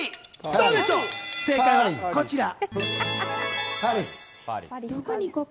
正解はこちら！